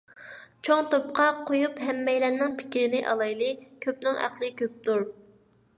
چوڭ توپقا قويۇپ ھەممەيلەننىڭ پىكرىنى ئالايلى. كۆپنىڭ ئەقلى كۆپتۇر.